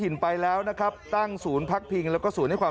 มากับตัวลูกกับตัวเราออกมา